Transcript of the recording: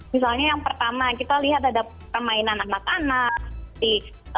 misalnya yang pertama kita lihat ada permainan anak anak